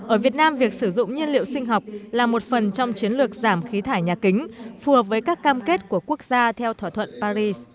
ở việt nam việc sử dụng nhiên liệu sinh học là một phần trong chiến lược giảm khí thải nhà kính phù hợp với các cam kết của quốc gia theo thỏa thuận paris